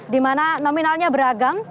di mana nominalnya beragam